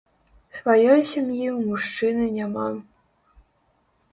Сваёй сям'і ў мужчыны няма.